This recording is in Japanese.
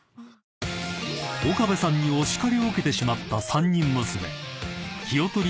［岡部さんにお叱りを受けてしまった３人娘］